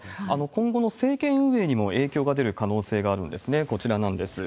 今後の政権運営にも影響が出る可能性があるんですね、こちらなんです。